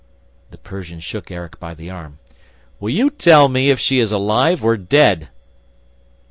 The Persian shook Erik by the arm: "Will you tell me if she is alive or dead."